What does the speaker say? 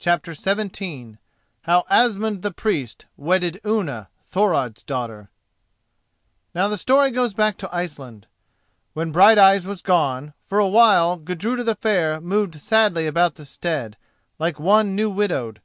CHAPTER XVII HOW ASMUND THE PRIEST WEDDED UNNA, THOROD'S DAUGHTER Now the story goes back to Iceland. When Brighteyes was gone, for a while Gudruda the Fair moved sadly about the stead, like one new widowed.